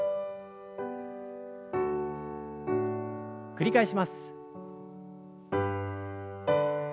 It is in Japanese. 繰り返します。